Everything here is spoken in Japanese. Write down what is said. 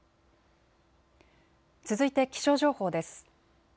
続いて気象情報です。